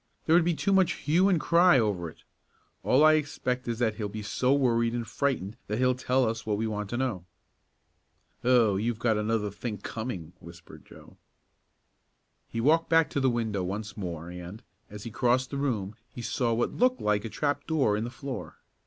There would be too much hue and cry over it. All I expect is that he'll be so worried and frightened that he'll tell us what we want to know." "Oh, you've got another think coming," whispered Joe. He walked back to the window once more and, as he crossed the room he saw what looked like a trap door in the floor.